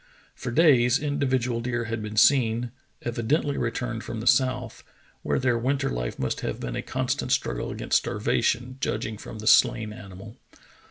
For days individual deer had been seen, evi dently returned from the south, where their winter life must have been a constant struggle against starvation, judging from the slain animal.